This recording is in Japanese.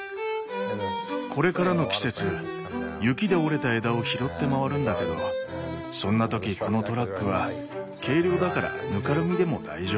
これからの季節雪で折れた枝を拾って回るんだけどそんな時このトラックは軽量だからぬかるみでも大丈夫。